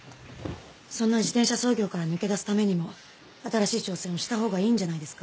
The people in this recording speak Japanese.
そんな自転車操業から抜け出すためにも新しい挑戦をしたほうがいいんじゃないですか？